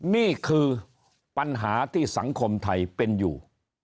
นี่คือปัญหาที่สังคมไทยเป็นอยู่